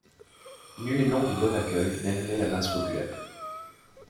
Nul élan de bon accueil n'animait la masse populaire.